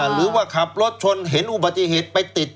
หรือว่าขับรถชนเห็นอุบัติเหตุไปติด